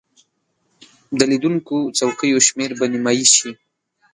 د لیدونکو څوکیو شمیر به نیمایي شي.